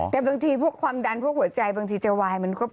แต่บางทีความดันพวกหัวใจบางทีจะไหว